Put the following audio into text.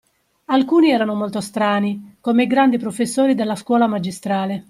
Alcuni erano molto strani, come i grandi professori della Scuola Magistrale